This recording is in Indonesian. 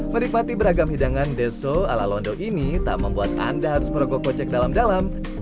menikmati beragam hidangan deso ala londo ini tak membuat anda harus merogoh kocek dalam dalam